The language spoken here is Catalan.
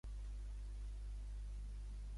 Telefona a la Layan Argente.